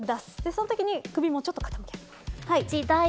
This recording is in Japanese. そのときに首もちょっと傾ける。